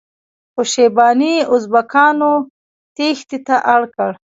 خو شیباني ازبکانو تیښتې ته اړ کړ.